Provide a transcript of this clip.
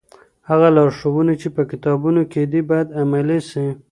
هغه لارښوونې چي په کتابونو کي دي، بايد عملي سي.